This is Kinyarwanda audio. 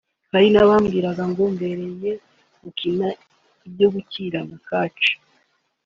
Hari n’abambwiraga ngo mbereye gukina ibyo gukirana (catch)